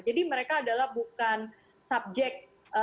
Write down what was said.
jadi mereka bukan subjek